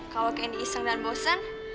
kalau candy iseng dan bosen